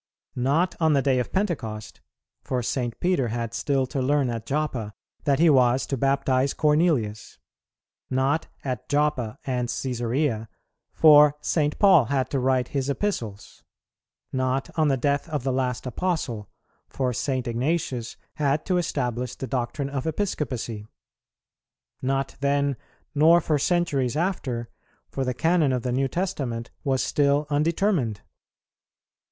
Not on the day of Pentecost, for St. Peter had still to learn at Joppa that he was to baptize Cornelius; not at Joppa and Cæsarea, for St. Paul had to write his Epistles; not on the death of the last Apostle, for St. Ignatius had to establish the doctrine of Episcopacy; not then, nor for centuries after, for the Canon of the New Testament was still undetermined.